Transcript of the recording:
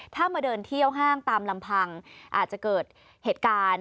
ถ้ามาเดินเที่ยวห้างตามลำพังอาจจะเกิดเหตุการณ์